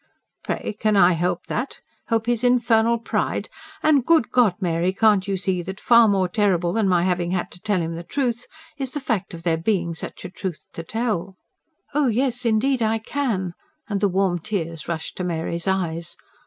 "Pray, can I help that? ... help his infernal pride? And, good God, Mary, can't you see that, far more terrible than my having had to tell him the truth, is the fact of there being such a truth to tell?" "Oh yes, indeed I can," and the warm tears rushed to Mary's eyes.